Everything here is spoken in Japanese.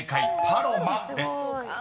「パロマ」です］